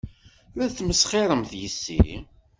La tesmesxiremt yes-i.